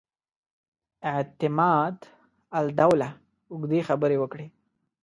اعتماد الدوله اوږدې خبرې وکړې.